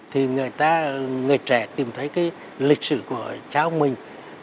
thì người trẻ tìm thấy cái lịch sử của cháu mình